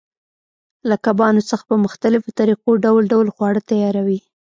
له کبانو څخه په مختلفو طریقو ډول ډول خواړه تیاروي.